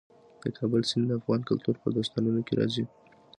د کابل سیند د افغان کلتور په داستانونو کې راځي.